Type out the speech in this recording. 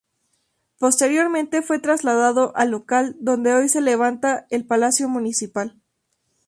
Posteriormente fue trasladado al local donde hoy se levanta el Palacio Municipal.